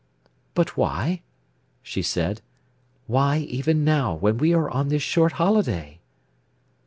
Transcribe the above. "But why?" she said. "Why, even now, when we are on this short holiday?"